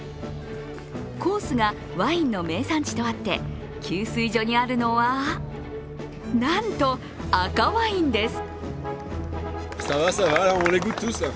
コースがワインの名産地とあって、給水所にあるのはなんと、赤ワインです。